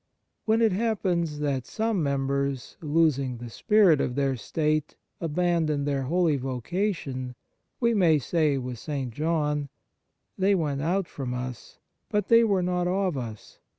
When it happens that some members, 81 G Fraternal Charity losing the spirit of their state, abandon their holy vocation, we may say with St. John :" They went out from us ; but they were not of us.